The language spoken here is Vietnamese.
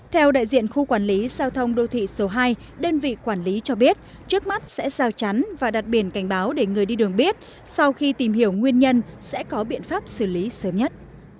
theo đại diện khu quản lý giao thông đô thị số hai đơn vị quản lý cho biết trước mắt sẽ giao chắn và đặt biển cảnh báo để người đi đường biết sau khi tìm hiểu nguyên nhân sẽ có biện pháp xử lý sớm nhất